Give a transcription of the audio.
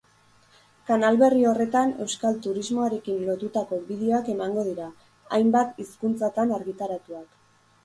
Kanal berri horretan euskal turismoarekin lotutako bideoak emango dira, hainbat hizkuntzatan argitaratuak.